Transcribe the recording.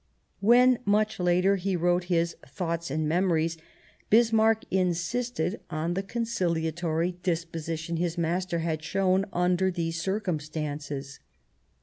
When, much later, he wrote his " Thoughts and Memories," Bismarck insisted on the conciliatory disposition his master had shown under WiUiam I these circumstances.